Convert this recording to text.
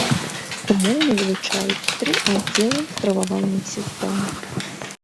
Умоўна вылучаюць тры аддзела стрававальнай сістэмы.